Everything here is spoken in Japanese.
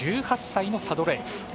１８歳のサドレーエフ。